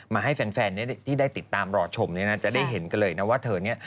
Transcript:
ให้แฟนที่ได้ติดตามรอชมเนี่ยนะจะได้เห็นกันเลยนะว่าเธอเนี่ย